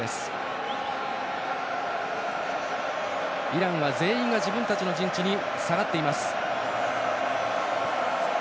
イランは全員が自分たちの陣地に下がっています。